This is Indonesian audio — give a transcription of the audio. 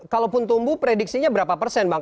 kalaupun tumbuh prediksinya berapa persen bang